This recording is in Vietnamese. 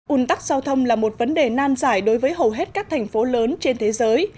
ủn tắc giao thông là một vấn đề nan giải đối với hầu hết các thành phố lớn trên thế giới